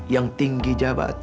yang tinggi jabatan